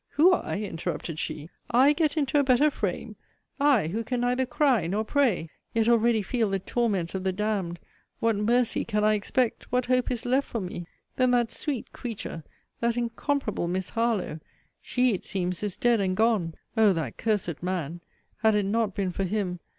Who, I? interrupted she: I get into a better frame! I, who can neither cry, nor pray! Yet already feel the torments of the d d! What mercy can I expect? What hope is left for me? Then, that sweet creature! that incomparable Miss Harlowe! she, it seems, is dead and gone! O that cursed man! Had it not been for him!